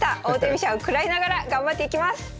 王手飛車を食らいながら頑張っていきます！